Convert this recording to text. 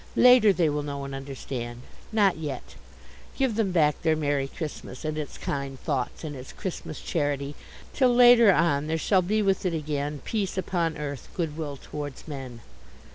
Later they will know and understand. Not yet. Give them back their Merry Christmas and its kind thoughts, and its Christmas charity, till later on there shall be with it again Peace upon Earth Good Will towards Men."